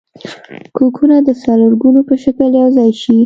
کوکونه د څلورګونو په شکل یوځای شي.